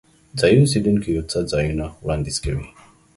ځایي اوسیدونکي یو څو ځایونه وړاندیز کوي.